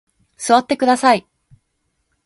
座ってください。